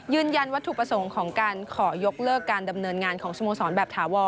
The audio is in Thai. ยืนยันวัตถุประสงค์ของการขอยกเลิกการดำเนินงานของสโมสรแบบถาวร